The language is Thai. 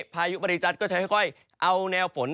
พายุบริจัตนก็จะค่อยเอาแนวฝน